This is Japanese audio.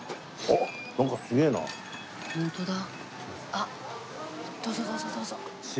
あっどうぞどうぞどうぞ。